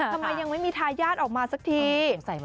ทำไมยังไม่มีทายาทออกมาสักที